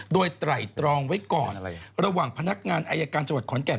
โดยไตรตรองไว้ก่อนระหว่างพนักงานอายการจังหวัดขอนแก่น